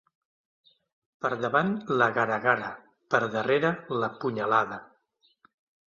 Per davant la gara-gara, per darrere la punyalada.